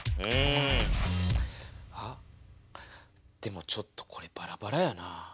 うんでもちょっとこれバラバラやな。